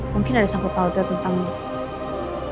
mungkin ada sangkut pautnya tentang pembunuhan roy